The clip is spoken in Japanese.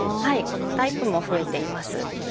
このタイプも増えています。